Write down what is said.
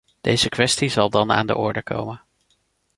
Deze kwestie zal dan aan de orde komen.